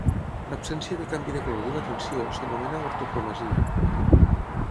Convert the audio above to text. L'absència de canvi de color d'una tinció s'anomena ortocromasia.